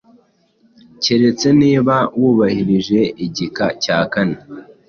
keretse niba wubahirije igika cya kane